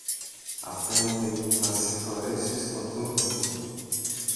Αφέντη, να συγχωρήσεις το δούλο σου.